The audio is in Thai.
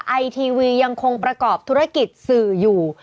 ไอทีวียังคงประกอบธุรกิจสื่ออยู่